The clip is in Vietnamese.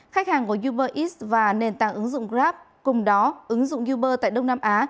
khách hàng của uber is và nền tảng ứng dụng grab cùng đó ứng dụng uber tại đông nam á